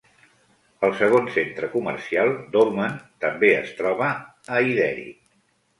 El segon centre comercial Dolmen també es troba a Hyderi.